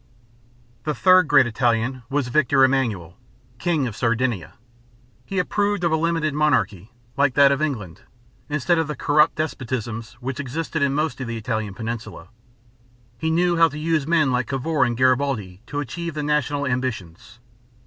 The third great Italian was Victor Emman´uel, king of Sardinia. He approved of a limited monarchy, like that of England, instead of the corrupt despotisms which existed in most of the Italian peninsula. He knew how to use men like Cavour and Garibaldi to achieve the national ambitions.